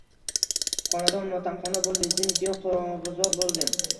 Xonadon... motamxona bo‘ldi. Zim-ziyo qorong‘izor bo‘ldi.